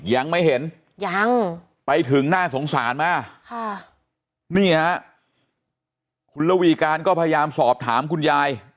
ยังไม่เห็นยังไปถึงน่าสงสารมากค่ะนี่ฮะคุณระวีการก็พยายามสอบถามคุณยาย